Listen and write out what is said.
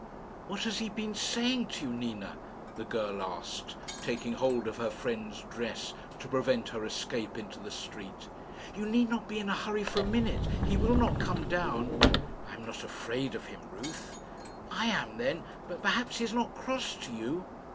"What has he been saying to you, Nina?" the girl asked, taking hold of her friend's dress, to prevent her escape into the street. "You need not be in a hurry for a minute. He will not come down." "I am not afraid of him. Ruth." "I am, then. But perhaps he is not cross to you."